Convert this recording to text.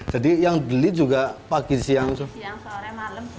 jadi yang beli juga pagi siang sore malam juga